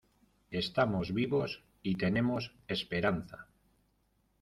estamos vivos y tenemos esperanza.